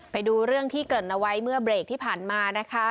ไปดูเรื่องที่เกริ่นเอาไว้เมื่อเบรกที่ผ่านมานะคะ